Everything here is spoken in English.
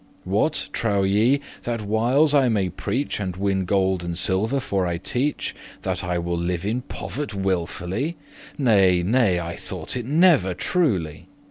What? trowe ye, that whiles I may preach And winne gold and silver for* I teach, *because That I will live in povert' wilfully? Nay, nay, I thought it never truely.